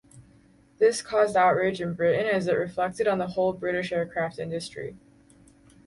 This caused outrage in Britain as it reflected on the whole British aircraft industry.